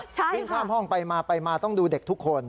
วิ่งข้ามห้องไปมาไปมาต้องดูเด็กทุกคน